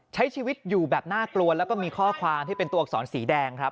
ใช้ชีวิตอยู่แบบน่ากลัวแล้วก็มีข้อความที่เป็นตัวอักษรสีแดงครับ